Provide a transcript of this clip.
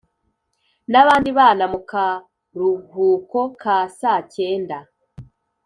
nabandi bana mukaruhuko ka sacyenda.